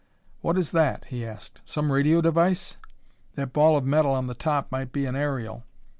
"What is that?" he asked, " some radio device? That ball of metal on the top might be an aerial."